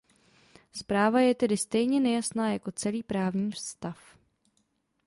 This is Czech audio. Zpráva je tedy stejně nejasná jako celý právní stav.